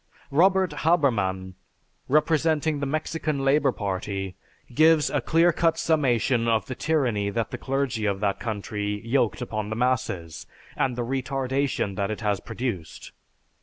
Robert Haberman, representing the Mexican Labor Party, gives a clear cut summation of the tyranny that the clergy of that country yoked upon the masses and the retardation that it has produced.